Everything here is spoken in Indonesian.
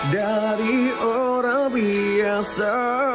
dari orang biasa